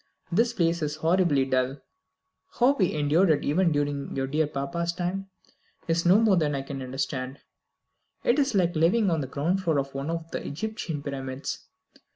"This place is horribly dull. How we ever endured it, even in your dear papa's time, is more than I can understand. It is like living on the ground floor of one of the Egyptian pyramids.